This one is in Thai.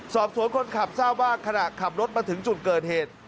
สอบสวนคนขับทราบว่าขณะขับรถมาถึงจุดเกิดเหตุ